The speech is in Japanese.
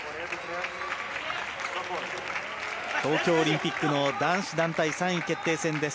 東京オリンピック男子団体３位決定戦です。